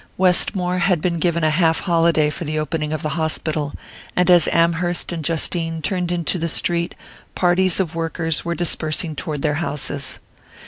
Westmore had been given a half holiday for the opening of the hospital, and as Amherst and Justine turned into the street, parties of workers were dispersing toward their houses.